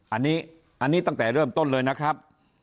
อันนี้ตั้งแต่เริ่มต้นเลยนะครับ